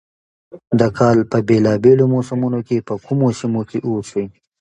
د کال په بېلا بېلو موسمونو کې په کومو سيمو کښې اوسي،